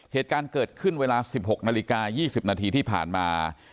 เหตุการณ์เกิดขึ้นเวลา๑๖นาฬิกา๒๐นาทีที่ผ่านมา